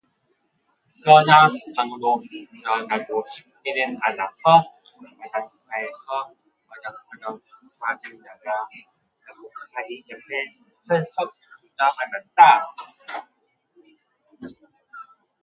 그러나 방으로 들어가고 싶지는 않아서 마당가에서 어정어정 돌아다니다가 나뭇가리 옆에 펄썩 주저앉았다.